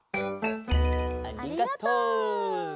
ありがとう。